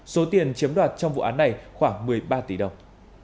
số tiền chiếm đoạt trong vụ án này khoảng một mươi ba tỷ đồng